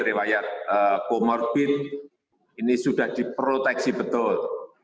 rewaiat komorbid ini sudah diproteksi betul